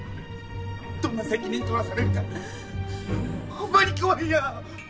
どんな責任取らされるかホンマに怖いんや！